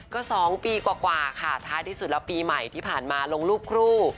ก็๒ปีกว่าค่ะท้ายที่สุดแล้วปีใหม่ที่ผ่านมาลงรูปคู่